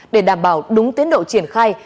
để đảm bảo đúng tiến độ triển khai